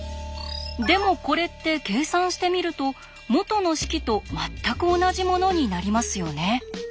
でもこれって計算してみると元の式と全く同じものになりますよね。